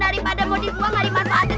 daripada mau dibuang nggak dimanfaatkan